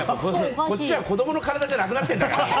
こっちは子供の体じゃなくなってんだから。